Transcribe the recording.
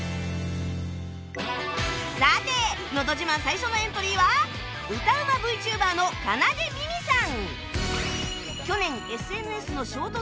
さてのど自慢最初のエントリーは歌うま ＶＴｕｂｅｒ の奏みみさん